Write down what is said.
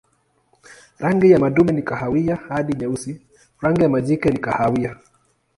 Rangi ya madume ni kahawia hadi nyeusi, rangi ya majike ni kahawia.